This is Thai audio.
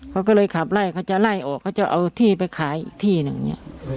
เขาก็เลยขับไล่เขาจะไล่ออกเขาจะเอาที่ไปขายอีกที่หนึ่งเนี่ย